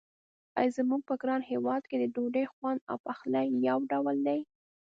آیا زموږ په ګران هېواد کې د ډوډۍ خوند او پخلی یو ډول دی.